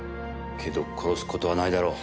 けど殺す事はないだろう。